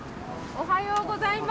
おはようございます。